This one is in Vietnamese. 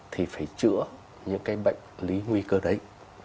thì phải chữa những cái bệnh lý nguy cơ đấy